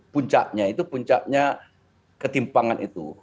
puncaknya itu puncaknya ketimpangan itu